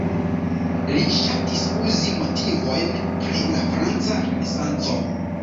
Li ŝatis uzi motivojn pri la franca renesanco.